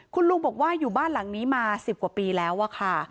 คุณลุงบอกว่าอยู่บ้านหลังนี้มา๑๐กว่าปีแล้วอะค่ะ